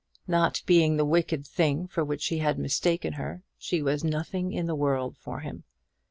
Not being the wicked thing for which he had mistaken her, she was nothing in the world for him.